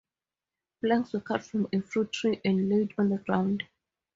Planks were cut from a fruit tree and laid on the ground.